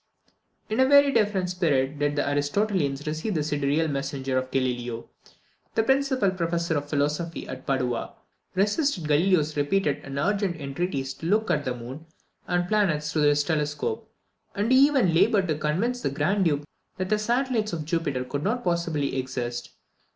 In a very different spirit did the Aristotelians receive the "Sidereal Messenger" of Galileo. The principal professor of philosophy at Padua resisted Galileo's repeated and urgent entreaties to look at the moon and planets through his telescope; and he even laboured to convince the Grand Duke that the satellites of Jupiter could not possibly exist.